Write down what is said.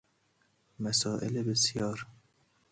مسایل بسیار